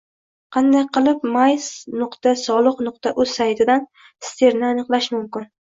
Qanday qilib my.soliq.uz saytidan stirni aniqlash mumkin?